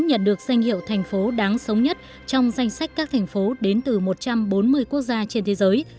nhận được danh hiệu thành phố đáng sống nhất trong danh sách các thành phố đến từ một trăm bốn mươi quốc gia trên thế giới